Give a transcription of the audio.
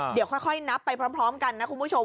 เดี๋ยวค่อยนับไปพร้อมกันนะคุณผู้ชม